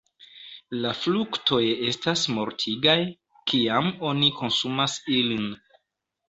La fruktoj estas mortigaj, kiam oni konsumas ilin.